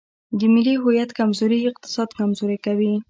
د ملي هویت کمزوري اقتصاد کمزوری کوي.